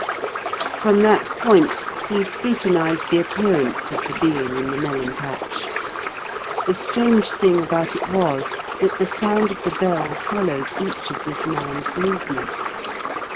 From that point he scrutinized the appearance of the being in the melon patch. The strange thing about it was, that the sound of the bell followed each of this man's movements.